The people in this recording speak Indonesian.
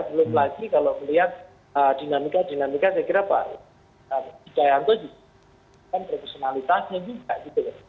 belum lagi kalau melihat dinamika dinamika saya kira pak haji jayahanto kan profesionalitasnya juga gitu ya